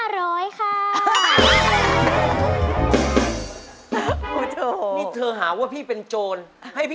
แล้วก็ถูก